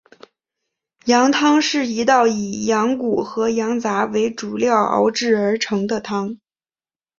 羊汤是一道以羊骨和羊杂为主料熬制而成的汤。